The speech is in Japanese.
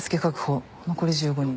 残り１５人。